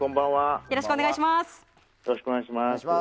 よろしくお願いします。